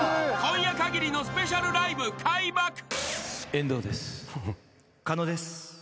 ［今夜かぎりのスペシャルライブ開幕］